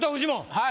はい。